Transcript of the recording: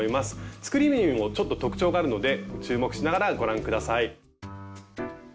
作り目にもちょっと特徴があるので注目しながらご覧下さい。